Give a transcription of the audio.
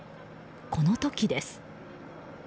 この時です。